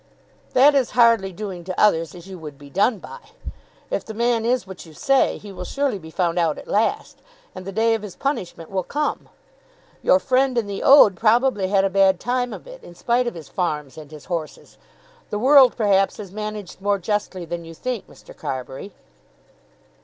"That is hardly doing to others as you would be done by. If the man is what you say, he will surely be found out at last, and the day of his punishment will come. Your friend in the ode probably had a bad time of it, in spite of his farms and his horses. The world perhaps is managed more justly than you think, Mr. Carbury."